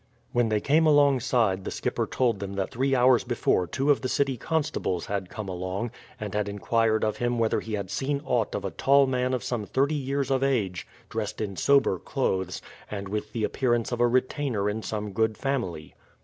When they came alongside the skipper told them that three hours before two of the city constables had come along, and had inquired of him whether he had seen aught of a tall man of some thirty years of age, dressed in sober clothes, and with the appearance of a retainer in some good family.